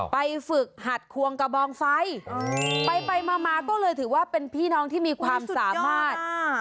ไปฝึกหัดควงกระบองไฟไปมาก็เลยถือว่าเป็นพี่น้องที่มีความสามารถ